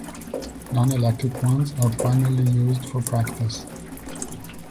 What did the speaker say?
Nonelectric ones are primarily used for practice.